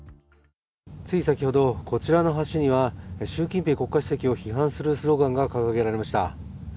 つい先ほど、こちらの橋には習近平国家主席を批判するスローガンが掲げられました。